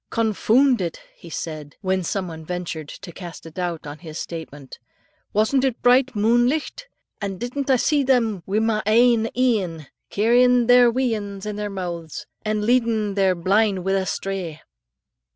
"Confoond it," he added, when some one ventured to cast a doubt on his statement; "wasn't it bright moonlicht, and didn't I see them wi' my ain een, carryin' their wee anes in their mooths, and leadin' their blin' wi' a strae?"